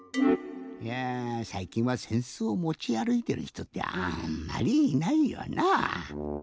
いやさいきんはせんすをもちあるいてるひとってあんまりいないよなぁ。